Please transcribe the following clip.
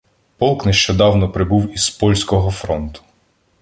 Полк нещодавно прибув із "польського" фронту.